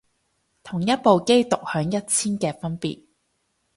同一部機獨享一千嘅分別